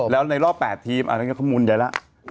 แล้วในรอบ๘ทีมอันนั้นก็ข้อมูลใหญ่แล้ว